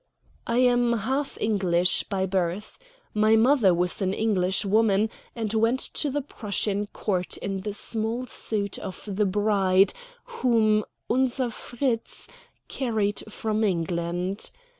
I am half English by birth. My mother was an English woman, and went to the Prussian Court in the small suite of the bride whom "Unser Fritz" carried from England.